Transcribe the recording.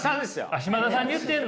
嶋田さんに言ってるの？